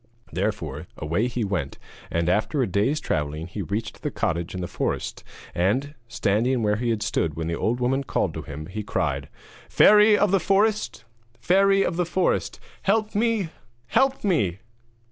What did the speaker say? Therefore away he went, and after a day's travelling he reached the cottage in the forest, and, standing where he had stood when the old woman called to him, he cried: 'Fairy of the forest! Fairy of the forest! Help me! help me!'